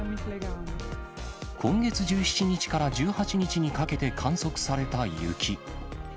今月１７日から１８日にかけて観測された雪。